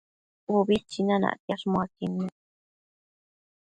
Ubi tsinanacquiash muaquid nec